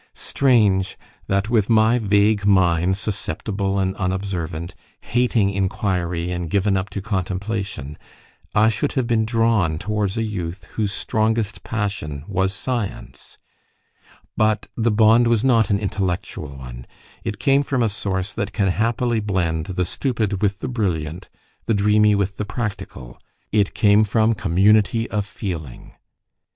Strange! that with my vague mind, susceptible and unobservant, hating inquiry and given up to contemplation, I should have been drawn towards a youth whose strongest passion was science. But the bond was not an intellectual one; it came from a source that can happily blend the stupid with the brilliant, the dreamy with the practical: it came from community of feeling.